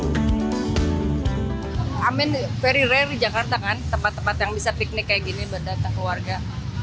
amin very rare di jakarta kan tempat tempat yang bisa piknik kayak gini berdata keluarga